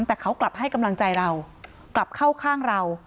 แต่เขากลับให้กำลังใจเรากลับเข้าข้างเรา